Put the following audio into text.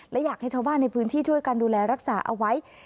และอยากให้ชาวบ้านในพื้นที่ช่วยกันดูแลรักษาเอาไว้